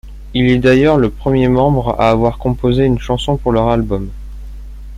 Il est d'ailleurs le premier membre à avoir composé une chanson pour leur album.